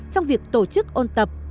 trong việc tổ chức ôn tập